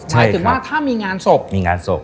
หมายถึงว่าถ้ามีงานศพ